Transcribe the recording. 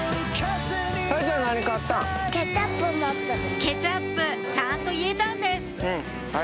ケチャップちゃんと言えたんです！